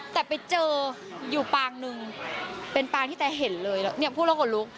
แต่ไปเจออยู่ปางนึงเป็นปางที่แตเห็นเลยแล้วเนี่ยพูดแล้วขนลุก